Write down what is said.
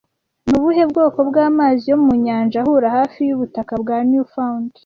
Ni ubuhe bwoko bw'amazi yo mu nyanja ahura hafi yubutaka bwa Newfound